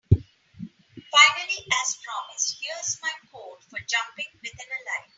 Finally, as promised, here is my code for jumping within a line.